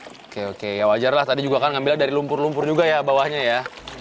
oke oke ya wajarlah tadi juga kan ngambilnya dari lumpur lumpur juga ya bawahnya ya